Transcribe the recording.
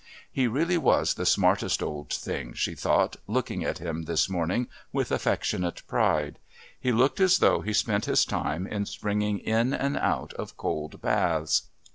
He really was the smartest old thing, she thought, looking at him this morning with affectionate pride. He looked as though he spent his time in springing in and out of cold baths.